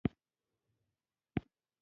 زموږ د یخچال ګاز ختم سوی څنګه وکم